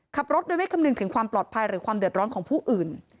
ขับรถโดยไม่คำนึงถึงความปลอดภัยหรือความเดือดร้อนของผู้อื่น